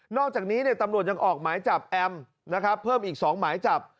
อกจากนี้ตำรวจยังออกหมายจับแอมนะครับเพิ่มอีก๒หมายจับ